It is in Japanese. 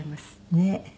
ねえ。